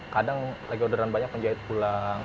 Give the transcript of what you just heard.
kadang lagi orderan banyak penjahit pulang